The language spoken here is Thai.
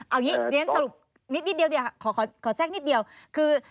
เอาอย่างนี้เดี๋ยวสรุปขอแทรกนิดเดียวคือ